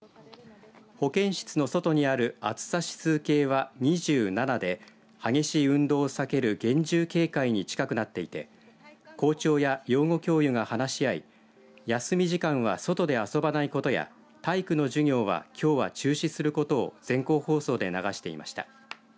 保健室の外にある暑さ指数計は２７で激しい運動を避ける厳重警戒に近くなっていて校長や養護教諭が話し合い休み時間は外で遊ばないことや体育の授業が、きょうは中止することを全校放送で流していました。